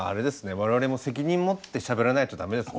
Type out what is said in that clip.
我々も責任持ってしゃべらないと駄目ですね。